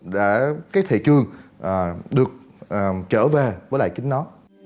để cái thị trường được trở về với lại chính nó